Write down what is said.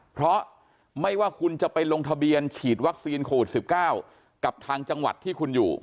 เพราะไม่ว่าคุณจะไปลงทะเบียนฉีดวัคซีนโควิด๑๙กับทางจังหวัดที่คุณอยู่